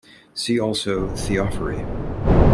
See also Theophory.